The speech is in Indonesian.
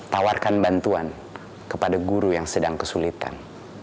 tawarkan bantuan kepada guru yang sedang kesulitan